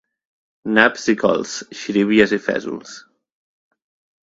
Naps i cols, xirivies i fesols.